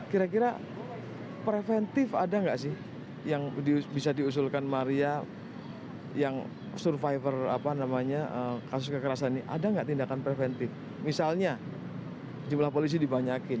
kira kira preventif ada nggak sih yang bisa diusulkan maria yang survivor apa namanya kasus kekerasan ini ada nggak tindakan preventif misalnya jumlah polisi dibanyakin